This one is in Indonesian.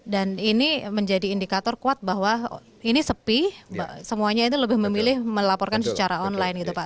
dan ini menjadi indikator kuat bahwa ini sepi semuanya itu lebih memilih melaporkan secara online gitu pak